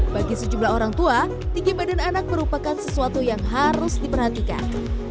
bagi sejumlah orang tua tinggi badan anak merupakan sesuatu yang harus diperhatikan